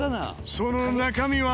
その中身は？